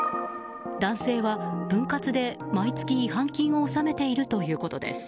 男性は分割で毎月、違反金を納めているということです。